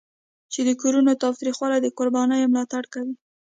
چې د کورني تاوتریخوالي د قربانیانو ملاتړ کوي.